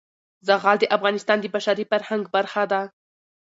زغال د افغانستان د بشري فرهنګ برخه ده.